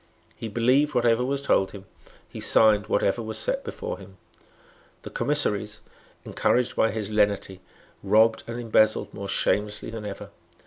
He believed whatever was told him. He signed whatever was set before him. The commissaries, encouraged by his lenity, robbed and embezzled more shamelessly than ever.